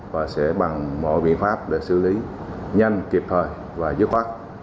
và sẽ bằng mọi biện pháp để xử lý nhanh kịp thời và dứt khoát